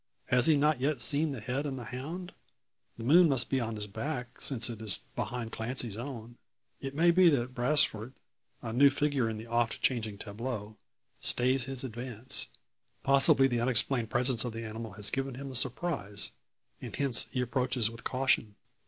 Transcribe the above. Has he not yet seen the head and hound? The moon must be on his back, since it is behind Clancy's own. It may be that Brasfort a new figure in the oft changing tableau stays his advance. Possibly the unexplained presence of the animal has given him a surprise, and hence he approaches with caution?